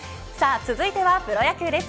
続いてはプロ野球です。